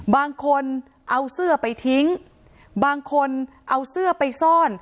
บางคนเอาเสื้อไปทิ้งบางคนเอาเสื้อไปซ่อน